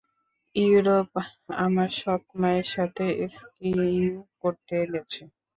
ইউরোপে আমার সৎ মায়ের সাথে স্কিইং করতে গেছে।